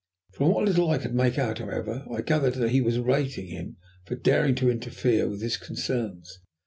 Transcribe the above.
From what little I could make out, however, I gathered that he was rating him for daring to interfere with his concerns.